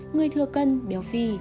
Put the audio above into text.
người thừa cân béo phì